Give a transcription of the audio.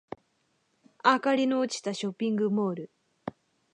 明かりの落ちたショッピングモール